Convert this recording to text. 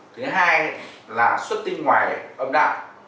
thứ hai là xuất tinh ngoài âm đạo